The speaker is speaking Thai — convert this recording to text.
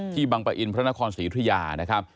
บังปะอินพระนครศรีธุยานะครับ